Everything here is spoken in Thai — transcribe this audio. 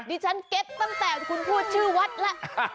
ดิฉันเก็ตตั้งแต่คุณพูดชื่อวัดแล้ว